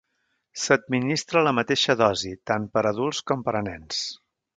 S’administra la mateixa dosi tant per adults com per a nens.